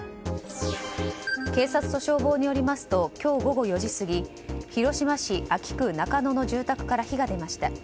警察と消防によりますと今日午後４時過ぎ広島市安芸区中野の住宅から火が出ました。